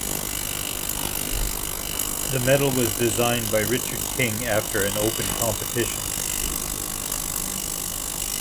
The medal was designed by Richard King after an open competition.